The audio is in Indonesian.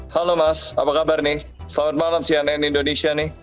halo mas apa kabar nih selamat malam cnn indonesia nih